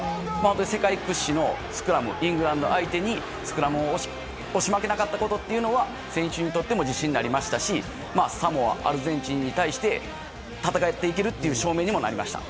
世界屈指のスクラムイングランド相手にスクラムを押し負けなかったことというのは選手にとっても自信になりましたしサモア、アルゼンチンに対して戦っていけるという証明にもなりました。